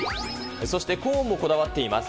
そしてコーンもこだわっています。